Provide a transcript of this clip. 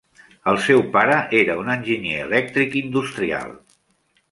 El seu pare era un enginyer elèctric industrial.